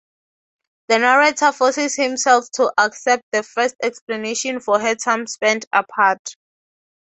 The narrator forces himself to accept the first explanation for her time spent apart.